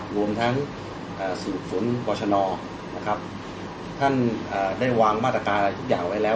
รวมทั้งศูนย์ศวนบรชนท่านได้วางมาตรการทุกอย่างไว้แล้ว